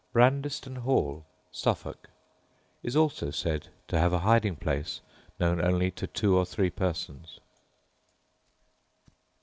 Brandeston Hall, Suffolk, is also said to have a hiding place known only to two or three persons.